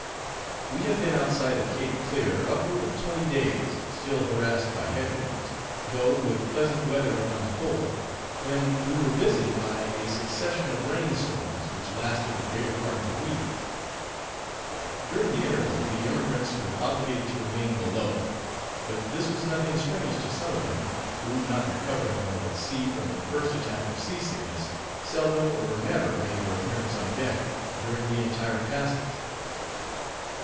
We had been outside of Cape Clear upward of twenty days, still harassed by head winds, though with pleasant weather upon the whole, when we were visited by a succession of rain storms, which lasted the greater part of a week. During the interval, the emigrants were obliged to remain below; but this was nothing strange to some of them; who, not recovering, while at sea, from their first attack of seasickness, seldom or never made their appearance on deck, during the entire passage.